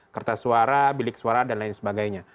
kertas suara bilik suara dan lain sebagainya